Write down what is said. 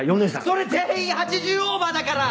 それ全員８０オーバーだから！